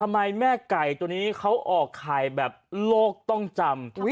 แม่ไก่ตัวนี้เขาออกไข่แบบโลกต้องจำ